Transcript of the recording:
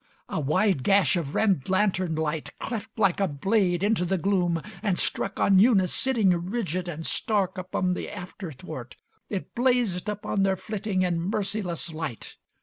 A wide Gash of red lantern light cleft like a blade Into the gloom, and struck on Eunice sitting Rigid and stark upon the after thwart. It blazed upon their flitting In merciless light.